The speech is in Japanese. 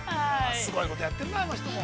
すごいことやってるな、あの人も。